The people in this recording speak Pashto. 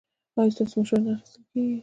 ایا ستاسو مشوره نه اخیستل کیږي؟